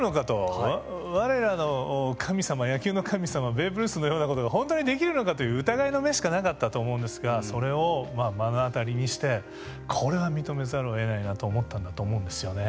ベーブ・ルースのようなことが本当にできるのかという疑いの目しかなかったと思うんですがそれをまあ目の当たりにしてこれは認めざるをえないなと思ったんだと思うんですよね。